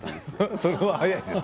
それは早いですね